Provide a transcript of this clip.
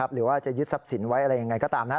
หรือว่าจะยึดทรัพย์สินไว้อะไรยังไงก็ตามนะ